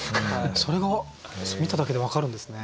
それが見ただけで分かるんですね。